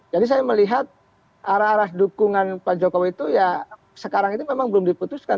saya melihat arah arah dukungan pak jokowi itu ya sekarang ini memang belum diputuskan